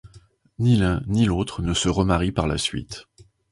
Ni l'un, ni l'autre ne se remarient par la suite.